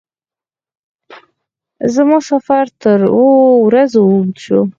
زما سفر تر اوو ورځو اوږد شو.